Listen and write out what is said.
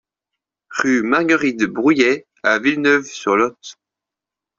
Rue Marguerite Brouillet à Villeneuve-sur-Lot